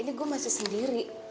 ini gue masih sendiri